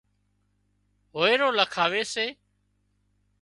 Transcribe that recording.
هوئيرو لکاوي سي